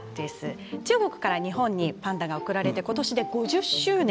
中国から日本にパンダが贈られて今年で５０周年。